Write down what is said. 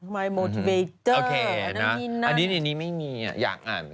ทำไมโมทิเวตเตอร์อันนั้นมีนั่นอันนี้ไม่มีอยากอ่าน